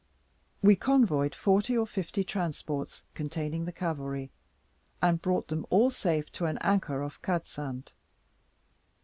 We convoyed forty or fifty transports, containing the cavalry, and brought them all safe to an anchor off Cadsand.